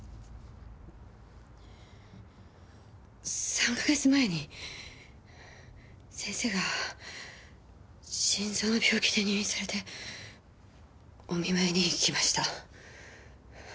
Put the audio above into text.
３か月前に先生が心臓の病気で入院されてお見舞いに行きました。